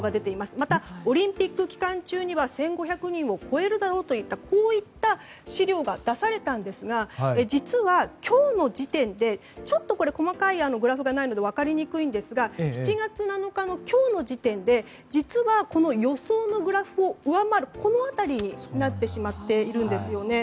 また、オリンピック期間中には１５００人を超えるだろうといったこういった資料が出されたんですが実は、今日の時点でちょっと細かいグラフがないので分かりにくいんですが７月７日の今日の時点で実はこの予想のグラフを上回るこの辺りになってしまっているんですね。